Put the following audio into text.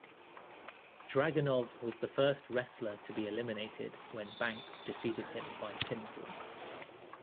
Dragunov was the first wrestler to be eliminated when Banks defeated him by pinfall.